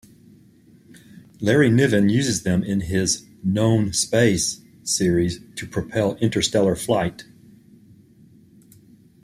Larry Niven uses them in his "Known Space" series to propel interstellar flight.